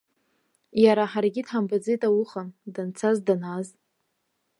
Иара, ҳаргьы дҳамбаӡеит ауха, данцаз данааз.